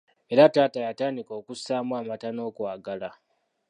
Era taata yatandika okusaamu amata n'okwagala.